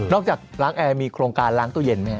นอกจากล้างแอรมีโครงการล้างตู้เย็นไหม